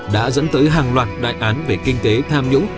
đã dẫn tới hàng loạt đại án về kinh tế tham nhũng